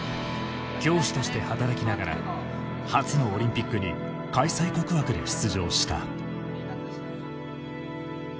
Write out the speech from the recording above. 教師として働きながら初のオリンピックに開催国枠で出場した。